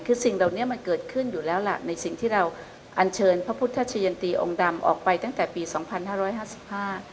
คือสิ่งเหล่านี้มันเกิดขึ้นอยู่แล้วล่ะในสิ่งที่เราอันเชิญพระพุทธชะยันตีองค์ดำออกไปตั้งแต่ปีสองพันห้าร้อยห้าสิบห้า